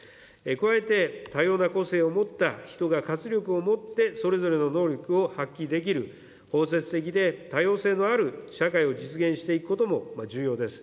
加えて、多様な個性を持った人が活力をもってそれぞれの能力を発揮できる、包摂的で、多様性のある社会を実現していくことも重要です。